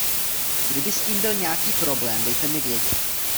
Kdyby s tím byl nějaký problém, dejte mi vědět.